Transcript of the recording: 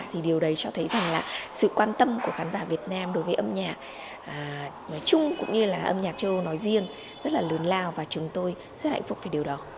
thì điều đấy cho thấy rằng là sự quan tâm của khán giả việt nam đối với âm nhạc nói chung cũng như là âm nhạc châu nói riêng rất là lớn lao và chúng tôi rất hạnh phúc về điều đó